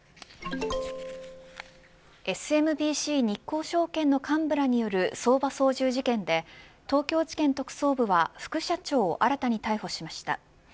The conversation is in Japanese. ＳＭＢＣ日興証券の幹部らによる相場操縦事件で東京地検特捜部は副社長を新たに逮捕しました。